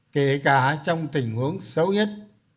kể cả trong tình huống xấu nhất